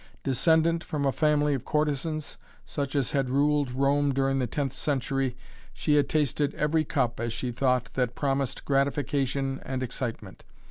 Descendant from a family of courtesans, such as had ruled Rome during the tenth century, she had tasted every cup, as she thought, that promised gratification and excitement.